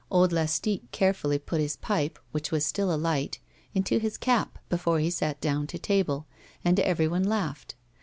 Old Lastique carefulty put his pipe, which was still aliglit, into his cap before he sat down to table; and everyone laughed.